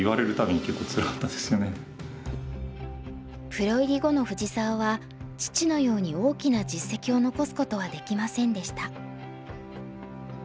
プロ入り後の藤澤は父のように大きな実績を残すことはできませんでした。